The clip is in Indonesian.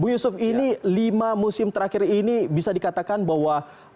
bu yusuf ini lima musim terakhir ini bisa dikatakan bahwa